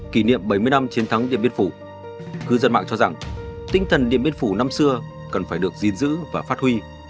kỷ niệm bảy mươi năm chiến thắng điện biên phủ cư dân mạng cho rằng tinh thần điện biên phủ năm xưa cần phải được gìn giữ và phát huy